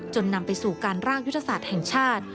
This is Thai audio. นำไปสู่การร่างยุทธศาสตร์แห่งชาติ